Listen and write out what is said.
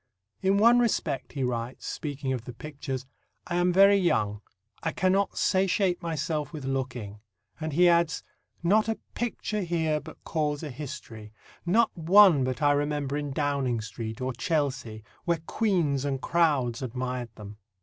"In one respect," he writes, speaking of the pictures, "I am very young; I cannot satiate myself with looking," and he adds, "Not a picture here but calls a history; not one but I remember in Downing Street or Chelsea, where queens and crowds admired them."